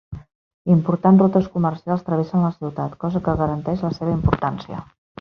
Importants rutes comercials travessen la ciutat, cosa que garanteix la seva importància.